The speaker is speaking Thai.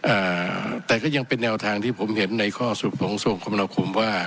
อ่าแต่ก็ยังเป็นแนวทางที่ผมเห็นในข้อสรุปของส่วนคมนาคมว่า